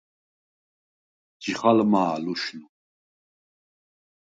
ჯიხალხმა̄ ლუშნუ?